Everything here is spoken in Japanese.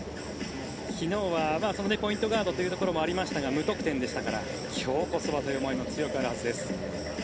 昨日はポイントガードというところもありまして無得点でしたから今日こそはという思いも強くあるはずです。